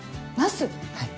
はい。